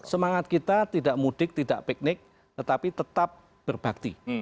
semangat kita tidak mudik tidak piknik tetapi tetap berbakti